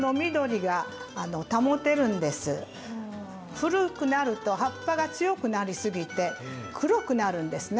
古くなると葉っぱが強くなりすぎて黒くなるんですね。